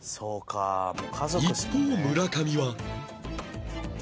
一方村上は